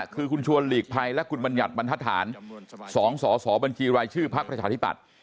คือคุณชวนหลีกภัยและคุณบรรยัติบรรทธานสองส่อส่อบรรจีรายชื่อภักดิ์ประชาธิบัติ